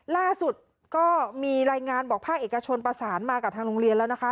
ล่าสุดก็มีรายงานบอกภาคเอกชนประสานมากับทางโรงเรียนแล้วนะคะ